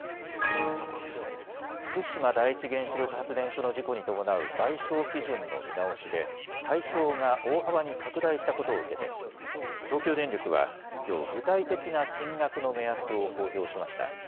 福島第一原子力発電所の事故に伴う賠償基準の見直しで、対象が大幅に拡大したことを受けて、東京電力はきょう、具体的な金額の目安を公表しました。